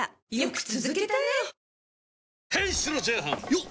よっ！